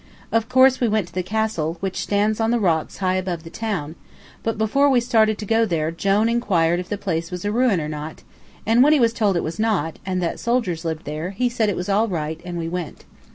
Of course we went to the castle, which stands on the rocks high above the town; but before we started to go there Jone inquired if the place was a ruin or not, and when he was told it was not, and that soldiers lived there, he said it was all right, and we went.